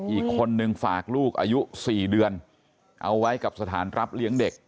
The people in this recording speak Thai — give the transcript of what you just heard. อีกคนนึงฝากลูกอายุ๔เดือนเอาไว้กับสถานรับเลี้ยงเด็ก